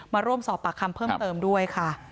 มาร่วมสอบปากคำเพิ่มเติมด้วยค่ะ